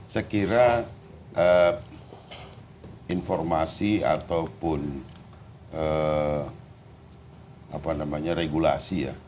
sekiranya informasi ataupun regulasi ya